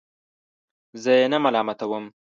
زه یې نه ملامتوم.